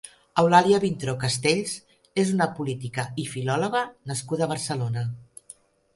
Eulàlia Vintró Castells és una política i filòloga nascuda a Barcelona.